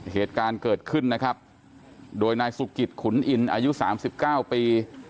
เหตุการณ์เกิดขึ้นนะครับโดยนายสุกิตขุนอินอายุสามสิบเก้าปี